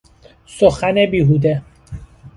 سخن بیهوده